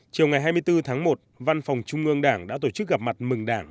chiều ngày hai mươi bốn tháng một văn phòng trung ương đảng đã tổ chức gặp mặt mừng đảng